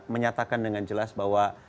menyatakan dengan jelas bahwa